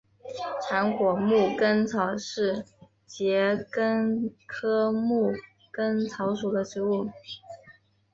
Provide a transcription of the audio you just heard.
长果牧根草是桔梗科牧根草属的植物。